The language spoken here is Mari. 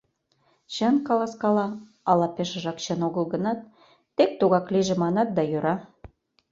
Чын каласкала ала пешыжак чын огыл гынат, тек тугак лийже манат да йӧра.